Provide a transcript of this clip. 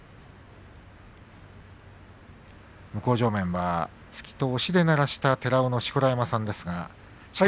向正面は突きと押しで鳴らした寺尾の錣山さんです。